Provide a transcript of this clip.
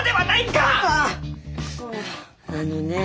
あのねぇ。